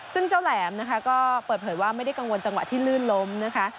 และร้าจะแหลมก็เปิดเผยว่าไม่ได้กังวลจังหวะที่ลื้นลมนะคะ